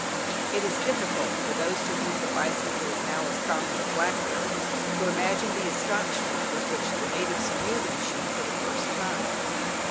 It is difficult, for those to whom the bicycle is now as common as blackberries, to imagine the astonishment with which the natives view the machine for the first time.